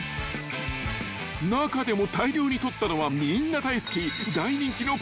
［中でも大量に取ったのはみんな大好き］